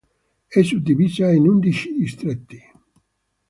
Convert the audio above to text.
È suddivisa in undici distretti